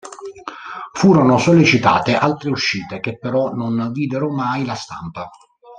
Furono sollecitate altre uscite che però non videro mai la stampa.